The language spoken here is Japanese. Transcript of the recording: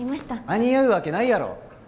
間に合うわけないやろ。